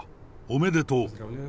おめでとう。